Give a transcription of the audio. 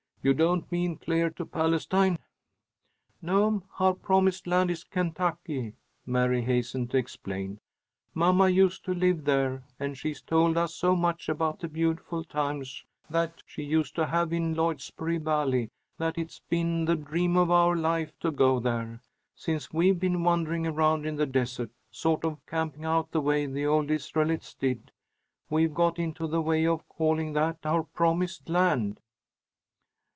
"You don't mean clear to Palestine!" "No'm; our promised land is Kentucky," Mary hastened to explain. "Mamma used to live there, and she's told us so much about the beautiful times that she used to have in Lloydsboro Valley that it's been the dream of our life to go there. Since we've been wandering around in the desert, sort of camping out the way the old Israelites did, we've got into the way of calling that our promised land."